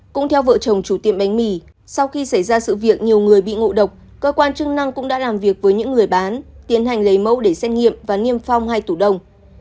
cũng theo vợ chồng chủ tiệm bánh mì sau khi xảy ra sự việc nhiều người bị ngộ độc cơ quan chức năng cũng đã làm việc với những người bán tiến hành lấy mẫu để xét nghiệm và niêm phong hai tủ đông